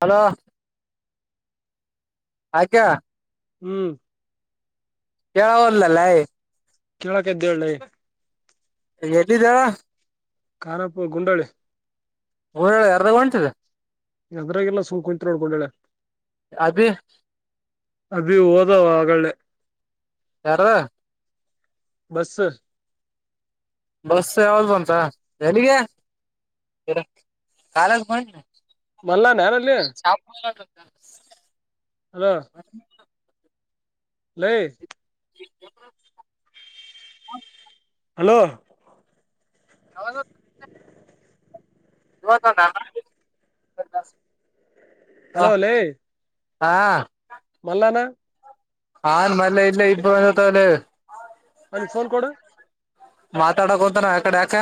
Hello [unintelligible] ಹ್ಮ್ ಕವದಲ್ಲಲ್ಲ [unintelligible] ಕೇಳಕ ಇದದ್ದೆ ಒಳ್ಳಿ ಎಲ್ಲಿದೊ. ಕಾನಪ್ಪು ಗುಂಡಳಿ [unintelligible] ಹೊಯ್ ಊರ ಯಾರದಾಗ ಹೊಂತ್ತಿದ. ಎದ್ರಾಗಲ್ಲ ಸುಂ ಕುತ್ ನೋಡ್ಕೊಂಡಳೆ [unintelligible] ಅಭಿ ಅಭಿ ಹೋದಾವ ಆಗಲೆ. ಯಾರೋ ಬಸ ಬಸ್ ಯಾವ್ದು ಬಂತ ಎಲ್ಲಿಗೆ ಕಾಲಿ ಮಲ್ಲಾನ ಯಾರಲ್ಲಿ [unintelligible] [inaudible] ಲೇ ಹಲೋ [inaudible] [inaudible] ಹಲೋ ಲೇ ಹಾ ಮಲ್ಲಾನ ಹನ್ ಮಲ್ಲ ಇಲ್ಲ [unintelligible] ಅನಫೋನ್ ಕೊಡು ಮಾತಾಡಕತ ನವು ಎಕಡ ಯಾಕ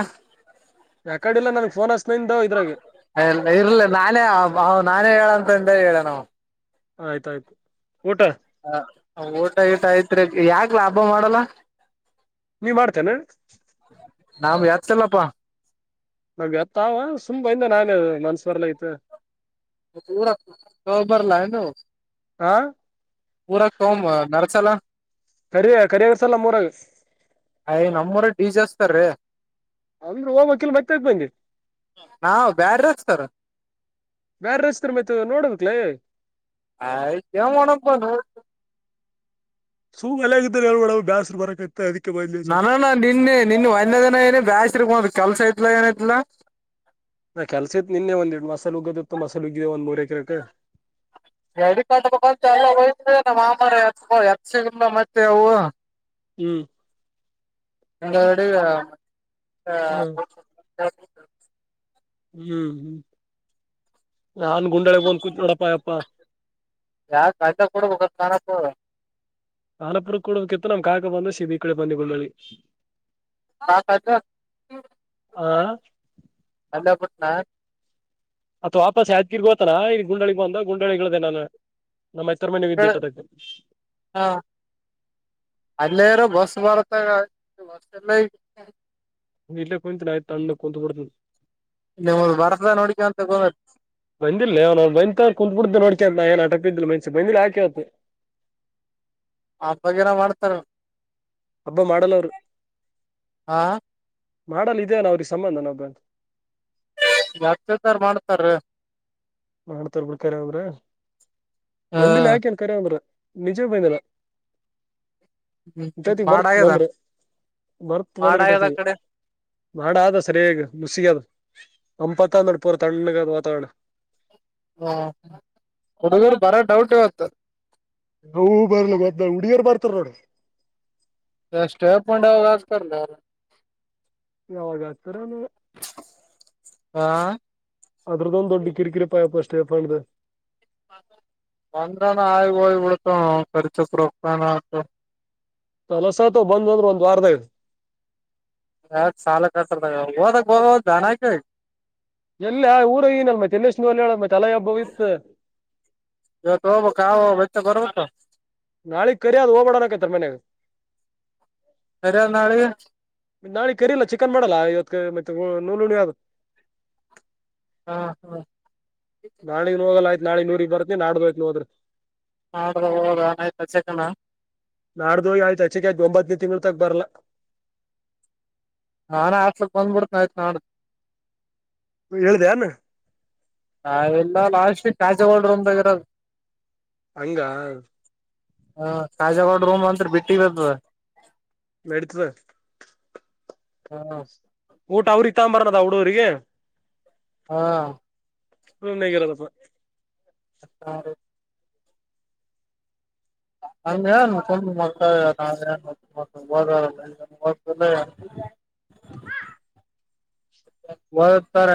ಯಾಕಡಿಲ್ಲ ನನ್ಗ್ ಫೋನ್ ಹಚ್ನಿಂದ ಇದ್ರಾಗ ಇರ್ಲ ನಾಳೆ [unintelligible] ನಾನೇ ಹೇಳ ಅಂತ ಎಂದ ಹೇಳಣ ಆಯ್ತಾಯ್ತು ಊಟ ಹ ಊಟ ಊಟ ಐತ್ರಿ ಯಾಕ್ ಲಾಭ ಮಾಡಲ್ಲ ನೀ ಮಾಡ್ತೆ ಏನ ನಾವು ಯತ್ತಲ್ಲಪ್ಪಾ ಮ ಅತ್ತಾವ ಸುಂಬ ಇಿಂದ ನಾನೇ ಮನ್ಸವರ್ಲ ತೆ ಪೂ ಸೋಬರ ಲನು ಹಾ ಪೂರ ಕ ನಕ ಸಲ ಕರಿಯ ಕರಿಯಾಗಸಲ್ಲ ನಮ್ ಮೂರಾಗ ಯ ನಮ್ಮೂರು ಅಂದ್ರ ಹೋಗ್ಬೇಕಿಲ್ ಮತ್ತೆ ಬಂದಿ [unintelligible] ನಾ ಬ್ಯಾಡ ಹಕ್ತಾರ ಬೇಾರ ರಸ್ತರ್ ಮತ ನೋಡದಕ್ಲೀ ಆಯ [unintelligible] ತು ಎಲ್ಲಗ ಹೇಳಳ್ ಬ್ಯಸ್ರು ಬರಕೈತ್ ನಾನಾನ ನಿನ್ನೆ ನಿನ್ ಒನ್ ದಿನ ಏನ ಬ [unintelligible] ಕೆಲ್ಸ ಐತ್ಲಾ ಏನಐತ್ಲ ನಾ ಕೆಲ್ಸ ಇತ್ ನಿನ್ನೆ ಒಂದ್ಡ್ ಮಸಾಲ ಉಗ್ಗದಿತ್ತು ಮಸಲು ಉಗಿದೆ ಒಂದ್ ಮೂರ್ ಎಕರೆಕ್ ಗಡಿ ಕಾಟ್ಬೇಕಂತ ಎಲ್ಲಯ ನಮ್ಮ್ ಆಮತ್ ಎತ್ಸಗಲ್ಲ ಮತ್ತೆ ಅವು ಹ್ಮ್ ಹ [inaudible] ಹ್ಮ್ ಹ್ಮ್ ನಾನ ಗುಂಡಡೆಬ ಕು [unintelligible] ಯಾ ಕಾಯ್ತಾ ಕೊಡ ಕಾಣತಾಡ್ ಕಾಗ ಬಂದು ಸಿಬ ಈ ಕಡೆ ಬಂದಿ ಗಿ ಆ [inaudible] ಅತ್ ವಾಪಸ್ ಯ್ಕಿರ್ಗೋತನ ಇ ಗುಂಡಳಿ ಬಂದ ಗುಂಡಳಿಗಳ್ದೇ ನಾನು ನಮ್ಮ ಮೈತ್ತರ್ ಮನೆ [unintelligible] ಇದ್ದಿಟ್ಟದಕ್ಕೆ ಹ ಅಲ್ಲೇರ ಬಸ್ ಬಳ [inaudible] ನೀ ಕುಂಟೆ ನಯ ಅಂದು ಕುಂತ್ ಬಿಡ್ತೀವಿ [inaudible] ಬಂದಿಲ್ಲ ಅವ ಬ ಕುಂತ್ ಬಿಡ್ದೆ ನೋಡ್ಕ ಏನ್ ಆಟಿದ್ದಿಲ್ಲ ಮಸ ಬಂದಿಲ್ಲಾಕವತ್ತ ಹ ಬಗರ ಮಾಡ್ತಾರೆ ಹಬ್ಬ ಮಾಡಲ್ಲ ಅವರು ಹಾ ಮಾಡಲ್ ಇದೇ ನ ಅವ್ರಿಗೆ ಸಂಬಂಧ ನ ಬಂತ ಮತ್ತದಾರ್ ಮಾಡ್ತಾರ ಮಾಡ್ತರ್ ಬಿಡ್ಕರವಂದ್ರ ಹ ಬಂದಿಲ್ಲ ಯಾಕೆ ಅನ್ ಕರವಂದ್ರ ನಿಜೆ ಬ ನಲ್ಲ ಹ್ಮ್ ಇಟೈತಿ ಬರ್ತ್ ಮಾಡಾಗ್ಯದ ಬಂದ್ರಿ ಮರ್ತ್ ಬಂದ್ರ ಮಾಡಾಗ್ಯದ ಇಟೈತಿ ಆ ಕಡೆ ನಾ ಆದ ಸರಿಯಗ ನುಸಗದು ಅಂಪತ್ತ ನಡ್ ಪೂರ್ ತಣ್ಣಗದ್ ವಾತಾವರಣ ಹಾ ಹಡಗ್ರ ಬರ ಡೌಟ್ ಇವತ್ತು ನೋ ಬರ್ಲ ಮದ ಉಡಿಯರ್ ಬರ್ತಾರ ನೋಡಿ ಎಷ್ಟ ಅಪ್ಪೊಂಡ ಅವಾಗ ಆಗ್ತಾರಲ್ಲ ಯಾವಾಗ ಹತರ ನೀ ಹಾ ಅದ್ರದ ಒಂದು ದೊಡ್ಡ ಕಿರಿಕಿರಿ ಪಾಯಪ ಅಷ್ಟೇಫಂಡು ಬಂದ್ರ ನ ಆ ಇ ರ್ಚಕ ರಕ್ತಾನ ತಲಸತ ಬಂದ್ಂದ್ರರು ಒಂದ್ ವಾರದ ಇದು ಯ ಸಾಲ ಕಸದ ಹಓದಾಗ ಹೋದದ ಜಾನ ಆಕ ಎಲ್ಲಊರ ಏನಲ್ ಮ ತಲ್ಲೇಶಲ್ ಹೇಳ ಮ ತಲ ಹಬ್ಬ ಇತ್ತು ಇ ತಬ ಕಾವ ಬ ಗಬತ ನಾಳಿಗ್ ಕರಿದು ಹೋಗಬಡೋಣಕತ್ತಾರ ಮನ್ಯಾಗ ಸರ ನಾಳಿಗೆ ನಾಳಿ ಕರಿಲ್ಲ ಚಿಕನ್ ಮಾಡಲ್ಲ ಇವತ್ ಮತ್ತ ನೂಲೂಣ ಯಾವತ್ ಹಾ ಹಾ ನಾಳಗ್ ನೋೋಗಲ್ಲ ಆಯತ್ ನಾಳಗ್ ನೂರಿಗೆಗ್ ಬರತ್ತ ನಾಡ್ದೋಯ್ತ್ ನೋದ್ರ ನಾಡ್ದ ಹೋದ ಆಯ್ತ ಚಕನ ನಾಳ್ದ ಯತ ಕ ಗೊಬತ್ ತಿಂಗಳ ತಕ್ ಬರ್ಲ ನಾಾನಾ ಆತ್ಸಲ್ ಬಂದ್ಬಿಡ್ತ ಆಯ್ತು ನ ಹೇಳ್ದ ಅಾನ ನಾವೆಲ್ಲ ಲಾಲ್ೀ ತಾಜೆಗಳ್ರುಮ್ದಾಗಿ ಇರೋದು ಹಂಗ ಹ ಕಾಜಗೋಡ ರೂಮ್ ಅತ್ರಿ ಬಿಟ್ಟಿತ್ ಮೇಡತವ ಹ್ಮ ಊಟ ಅವ್ರ ಇತ್ತ ಬರದ ಹಡೋರಿಗೆ ಹಾ ಹ್ ಹೇಗಿರೋದಪ್ಪ ಹ ಅ ಯನು ತ ಮಕ ಹ ಒತ್ತರ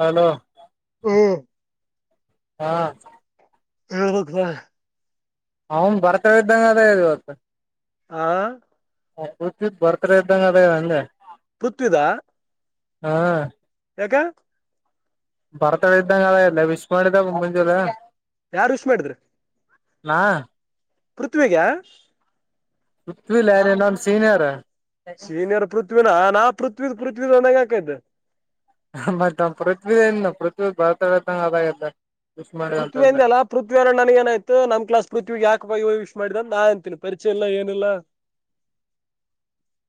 ಹಲೋ ಹ ಹಾ ಹಕ್ವಾಾ ಅವನ್ ಬರ್ತ ಇದಿದ್ದಂಗ ಅದ ಇ ಇವತ್ತು ಹಾ ಹಿದ ಬರ್ತ ಇದ್ದಂಗ ಅದೇ ಅಂಗೆ ಪೃಥ್ವಿದ ಹಾ ಯಗ ಭರತಡ ಇದ್ದಂಗ ಅಲ್ಲ ಇಲ್ಲ ವಿಶ್ ಮಾಡಿದಾಗ ಮುಂಜದ ಯಾರ್ು ಹುಷಿ ಮಾಡಿದ್ರಿ ನಾ ಪೃಥ್ವಿಗ ಪತ್ವಿಲ್ ಯಾರ ನಮ್ ಸೀನಿಯರ್ ಸೀನಿಯರ್ ಪೃಥ್ವಿನ ನಾ ಪೃಥ್ವ ಪೃಥ್ವೀ ಒನಾಗ ಹಾಕ್ದ ಮತ್ತ್ ಪೃಥ್ವಿ ಏನ್ ಪೃಥ್ವಿ ಬರತಾಡದಂಗ ಅದಾಗ ಪೃಥ್ವಿ ಅಲ್ಲ ಪೃಥ್ವಿ ಅವರ ನನ ಏನಯ್ು ನಮ್ಲಾಸ್ ಪಥ್ಿಗೆ ಯಾಕ್ ವಿಶ್ ಮಾಡಿದ ನಾ ಎಂತೀನಿ ಪರಿಚಯ ಇಲ್ಲ ಏನೆಲ್ಲ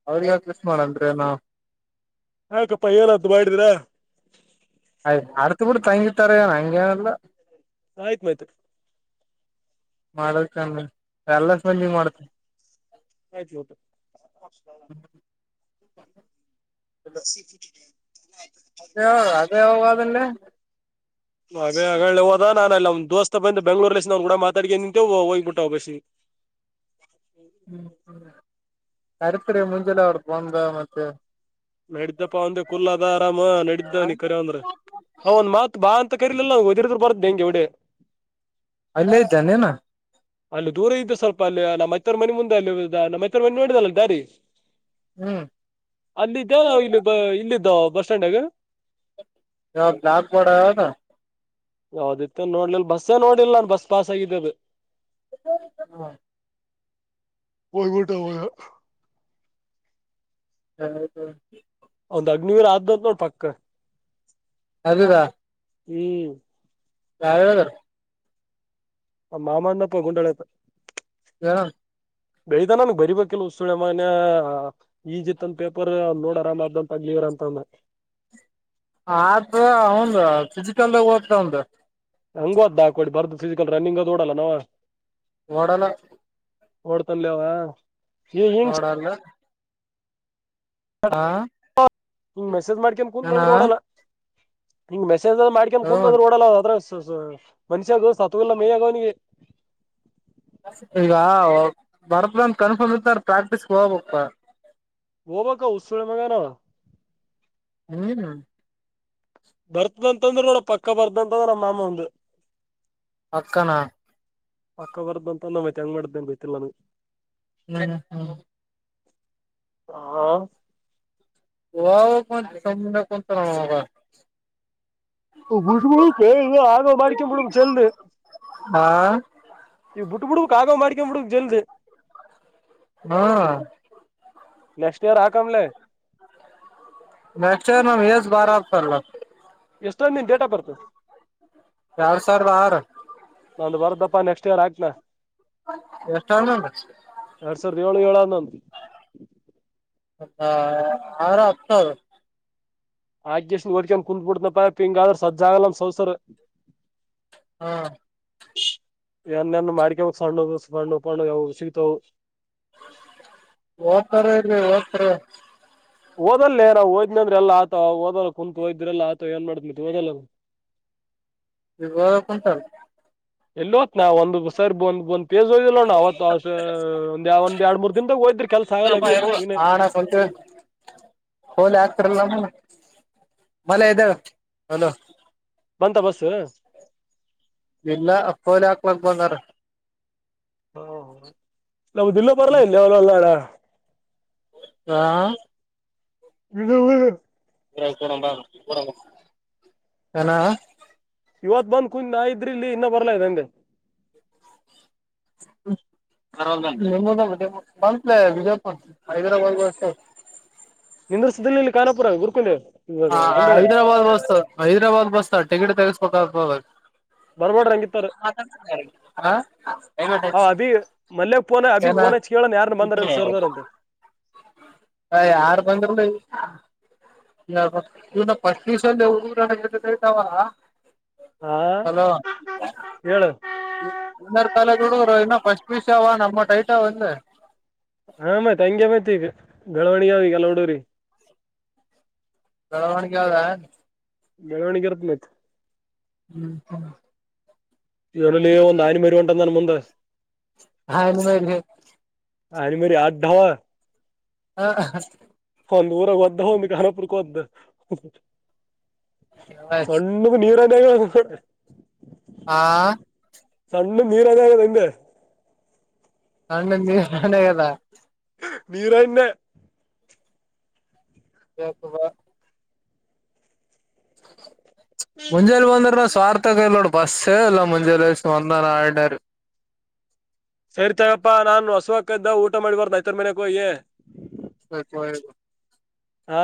ಅವ್ರ ಯಾವ ಕಿಸ ಮಾಡನ್್ರನಾ ಹಾಕಪ್ಪಾ ಏನದ್ದು ಮಾಡಿದೀರಾ ಆಯ್ತು ಆಡ್ತ ಬಿಟ್ಟು ತಂಗಿತಾರ ಹಂಗೇನಲ್ಲ ಆಯ್ತ್ ಮಾಯ್ತ್ ಮಾಡಲ್ ಚಂದ ಎಲ್ಲ ಸ್ ಬಂದಿ ಮಾಡತ ಹಚ್ಚತ ಸಿತಿ ಅದೇ ಅದೇ ಯಾವಾಗ ಅದನ್ನೇ ಹಾಗೆ ಹೋದ ನಾನು ಅ ಒದೋಸ್ತ ಬಂದು ಬೆಂಗ್ಳೂರಲ್ಲಿ ಕೂಡ ಮಾತಾಡಗೆ ನಿಂತ ಹೋಗ್ಬಿಟ್ಟ ಬಸಿ ಹ್ಮ್ ಅರಿತರಿ ಮುಂಜಲ ಅವರ ಬದ ಮತ್ತೆ ನಡಿದ್ದಪ್ಪಾ ಒಂದೆ ಕುಲ್ಲ ಅದ ಆರಾಮ ನಡ್ದನಿ ಕರ ಅಂದ್ರ ಅವ ಒಂದ್ ಮಾತ್ ಬಾ ಅಂತ ಕರಲಿಲ್ಲದಿರದರು ಬರದ್ದು ಹೆಂಗೆ ಎವಡಡೆ ಅಲ್ಲಿಲ್ಲಿ ಜೆ ನ ಅಲ್ಲಿ ದೂರ ಇದ್ದು ಸ್ವಲ್ಪ ಅಲ್ಲಿ ನಮ್ಮ್ ಮೈತ್ತರ ಮನೆ ಮುಂದೆ ಅಲ್ಲಿ ನಮ್ಮತ್ತರ ಮನೆ ನೋಡಿದಲ್ಲ ದಾರಿ ಹ್ಮ್ ಅಲ್ಲಿದ್ದ್ಯ ನಾ ಇಲ್ಲಿ ಇಲ್ಲಿದ್ದ ಬಸ್ ಸ್ಟ್ಯಾಂಡ್ಗ ಹಾಗ ಜಾಗ ಪಡ್ಯ ಹೌದಿತ್ತು ನೋಡ್ಲಲ್ ಬಸ್ಸೇ ನೋಡಿಲ್ ನನ್ ಬಸ್ ಪಾಸ್ ಆಗಿದ್ದದ ಹಾ ಯ್ಬಟ್ಟ ಹ ಹೌ ಹಾ ಒಂದ್ ಅಗ್ನಿವೀರ ಆದ ನೋಡ್ ಪಕ್ಕ ಅದದಾ ಹ್ಮ್ ರಾವನಗರ್ ಮಾಮ್ಣಪ್ಪ ಗುಂಡಾಳತ ಹಾ ಬೆಳದ ನನ್ಗ್ ಬರಿಬೇಕಿಲ್ಲ ಉಸುಳೆ ಮನೆ ಈಜಿತ್ತಂದ ಪೇಪರ್ ನೋಡ್ ಆರಾಮ ಆದ ಅಂತ ಆಗ್ ಅಂತಂದ ಆದ ಹಂದ ಫಜಿಕಲ್ಗ ಹಓದ್ತ ಒಂದ ಹಂಗವದ್ದ ಹಾಕೋಡಿ ಬರ್ದು ಫಿಸಿಕಲ್ ರನ್ನಿಂಗ್ ಅದು ಓಡಲ್ಲ ನಾವ್ ಒಡಲ ಓಡ್ತನ್ಲ ಅವ ಹಿಂಗ್ ಹಿಂಗ್ ನೋಡಲ್ಲ ಹಂಗ ಮೆಸೇಜ್ ಮಾಡ್ಕ ಕುಂದ ಏನ ನಂದ್ರ ಓಡಲ್ಲ ಹಿಂಗ ಮೆಸ ಮಾಡ್ಕೊಂಡ ಕುದ್ರ ನಓಡಲ್ಲ ಅದ ಸ ಮನ್ಷ್ಯ ಆಗ ಸಾತಲ್ಲ ಮೈಯ ಆಗುವನಿಗೆ ಈಗ ಬರ್ತ್ಂದ ಕನ್ಫರ್ಮ್ ಇತ್ ನ ಪ್ರಾಕ್ಟೀಸ್ಗೆ ಹೋಗ್ಬೇಕಪ್ಪ ವಓ ಬಕ ಸೂಳ ಮಗಾನ ಹ್ಮ್ ಬರ್ತಂತಂದ್ರ ನೋಡ ಪಕ್ಕ ಬರ್ದಂತಂದ್ರ ನಮ್ಮ ಮಾಮ ಒಂದು ಪಕ್ಕನಾ ಅಕ್ಕ ಬರ್ ಅಂತ ನ್ತ್ ಹೆಂಗ್ ಮಾಡಿದ್ದೇನ್ ಬಯತಿಲ್ಲ ನಾನ ಹ ಹ್ಮ ಹಾ ವ ಸಂಧೆ ಕೊತ ನ ಆಗ ಬಡಕ ಮುಡ ಚೆಲ್ ಹಾ ಈ ಬಿಟ್ ಬಿಡ್ಕ್ ಆಗೋ ಮಾಡ್ಕೊ ಬಿಡ್ಕ್ ಜಲ್ದ ಹ್ಮ ನೆಕ್ಸ್ಟ್ ಇಯರ್ ಆ ಕಮಲೆ ನೆಕ್ಸ್ಟ್ ಟೈಮ್ ನಮ್ಮ ಏಜ್ ಬಾರತಲ್ಲ ಎಷ್ಟೊಂದ ನಿನ್ ಡೇಟಾ ಆಫ್ ಬರ್ತ್ ಎರಡು ಸಾವಿರದ ಆರು ಒಂದು ಬರುತಪ್ಪ ನೆಸ್ಟ್ ಇಯರ್ ಹಾಕು ಎರಡ್ [unintelligible] ಸಾವಿರದ ಏಳು ಏಳು ಹನ್ನೊಂದು ಹ ಹತ್ತು ಸಾವಿರ ಆರ್ಕೆಸ್ಟ್ರಾ ನೋಡಿಕೊಂಡು ಕುತ್ಬಿಡ್ತನಪ್ಪ ಹಿಂಗಾದ್ರರು ಸಜ್ಜಾಗಲ್ಲ [unintelligible] ಹಾ ಏನಾ ಮಾಡ್ಕಬೇಕು ಸಣ್ಣ ಸಣ್ಣ ಪಣ್ಣಯವು ಸಿಗ್ತವು ಓದ್ತಾರ ಇಲ್ಲ ಓದ್ತಾರ ಓದಲ್ಲೇ ನಾವು ಓದಿನಂದ್ರೆ ಎಲ್ಲ ಆತವ್ ಓದಲ್ಲ ಕುಂತ್ ಓದಿದ್ರೆ ಆತವ ಏನ್ ಮಾಡದ್ದು ಓದಲ್ಲ ಈಗ ಓದೋಕೆ ಹೋಯ್ತರ್ ಎಲ್ಲಿ ಹೊತ್ನ ಸರ್ ಬಂದು ಬಂದ್ ಎಲ್ಲಿ ಹೋಯ್ದಿಲ್ಲೋಣ್ಣ ಅವತ್ ಒಂದ್ ಯಾವ ಒಂದ್ ಎರಡ್ ಮೂರ್ ದಿನದಾಗ ಹೋದ್ರಿ ಕೆಲ್ಸ ಆಗಲ್ಲ ಅಭಿ ಇವನೆ ಆಣ ಹೋಲಿ ಆಗ್ತರ್ ಮಳೆ ಇದವೆ ಹಲೋ ಬಸ್ಸು ಇಲ್ಲ ಪೋಲಿಯೋ ಹಾಕಕ್ ಬಂದರಾ [unintelligible] ಹ [unintelligible] [unintelligible] ಏನಾ ಇವತ್ ಬಂದ್ ಕುಂದ ನಾ ಇದ್ರಿ ಇಲ್ಲಿ ಇನ್ನ ಬರ್ಲಾ ಅಂದೇ ಹ್ಮ [unintelligible] ಇಲ್ಲಿ ಸಿಗಲಿಲ್ಲ ಕಾರಪುರ ಗುರ್ಕುದೆ ಹ ಹೈದ್ರಾಬಾದ್ ಬಸ್ತ ಹೈದ್ರಾಬಾದ್ ಬಸ್ತಾವ ಟಿಕೆಟ್ ತೆಗಸ್ಬೇಕಬೇಕಕ್ ಬರ್ಬಾಡ್ರಿ ಹಂಗಿತ್ತಾರ ಆ ಅಭಿ ಮಲ್ಯಗ್ ಫೋನ್ ಅಭಿಗ್ ಫೋನ್ ಹಚ್ಚಿ ಕೇಳನ್ ಯಾರನ್ನ ಬಂದಾರನ್ ಸರ್ದಾರ ಅಂತ ಹ ಯಾರು ಬಂದರ್ಲೆ [unintelligible] ಹಾ ಹಲೋ ಹೇಳ [unintelligible] ಇನ್ನ ಫಸ್ಟ್ ಪಿ ಯು ಸಿ ಅವ ನಮ್ಮ ಟೈಟಾ ಒಂದ ಹಾ ಮತ್ ಹಂಗೆ ಮತ್ ಬೆಳವಣಿಗೆ ಈಗ ಲೋಡೋರಿ ಮೆರವಣಿಗೆ ಅದ್ರ ಮೆರವಣಿಗೆ ಹ್ಮ್ ಹ್ಮ್ ಆನೆ ಮರಿಹೊಂಟಾದ್ದ ನನ್ನ ಮುಂದೆ ಆನೆ ಮರೀನೇ ಆನೆ ಮರಿ [unintelligible] ಹ ಒಂದು ಊರ ಹೊಂಟವ ಒಂದು ಕಾಣಪುರಕೆ ಒತದ ಸಣ್ಣದು [unintelligible] ಹಾ ಸಣ್ಣು ನೀರ್ ಆಗದ ಅಂದೇ ಸಣ್ಣ ನೀರ್ ಆಗದ ನೀರನ್ನೆ [unintelligible] ಮುಂಜಾಲೆ ಒಂದರ ಸ್ವಾರ್ಥ ಕೈಲೋಡ ಬಸ್ಸು ಎಲ್ಲಾ ಮುಂಜೆ ಲ ಒಂದ ಆಯಡಾರೆ ಸೇರಿತಗಪ್ಪಾ ನಾನು ಹೊಸುವಕ್ಕದ ಊಟ ಮಾಡಿಬಾರ್ದುಐತರ ಮನೆಕ ಹಯೇ ಹಗ ಹಾ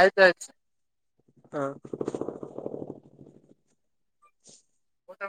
ಆಯ್ತ ಆ್ ಹಾ ಊಟ